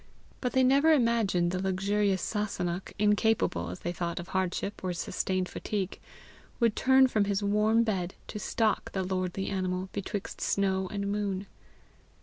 But they never imagined the luxurious Sasunnach, incapable, as they thought, of hardship or sustained fatigue, would turn from his warm bed to stalk the lordly animal betwixt snow and moon.